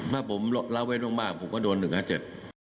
ถ้าผมเล่าไว้มากผมก็โดน๑หัก๗